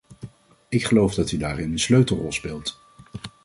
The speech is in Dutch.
Ik geloof dat u daarin een sleutelrol speelt.